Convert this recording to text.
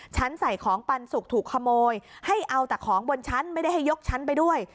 ฉันใส่ของปันสุกถูกขโมยให้เอาแต่ของบนชั้นไม่ได้ให้ยกชั้นไปด้วย